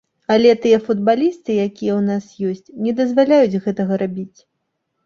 Але тыя футбалісты, якія ў нас ёсць, не дазваляюць гэтага рабіць.